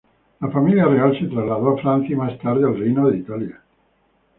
La familia real se trasladó a Francia y más tarde al Reino de Italia.